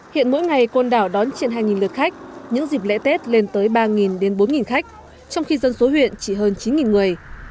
hiện mỗi ngày côn đảo đón trên hai lượt khách những dịp lễ tết lên tới ba bốn khách trong khi dân số huyện chỉ hơn chín người